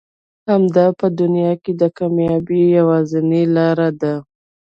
همدا په دنيا کې د کاميابي يوازنۍ لاره ده.